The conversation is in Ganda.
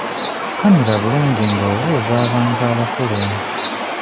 Fukamira bulungi nga obuuza abantu abakulu.